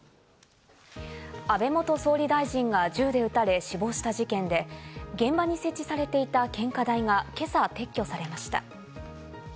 安倍元総理大臣が銃で撃たれ死亡した事件で、現場に設置されていた献花台が今朝、撤去されました。